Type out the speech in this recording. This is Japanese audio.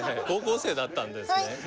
高校生だったんですね。